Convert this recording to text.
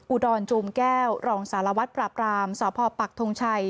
อุดรจูมแก้วรองสารวัตรปราบรามสพปักทงชัย